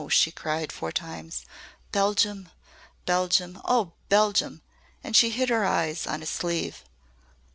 she cried four times, "Belgium! Belgium! Oh! Belgium!" And she hid her eyes on his sleeve.